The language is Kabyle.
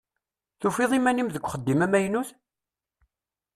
Tufiḍ iman-im deg uxeddim amaynut?